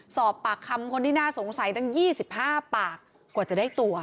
สอบปากคำคนที่น่าสงสัยตั้ง๒๕ปากกว่าจะได้ตัว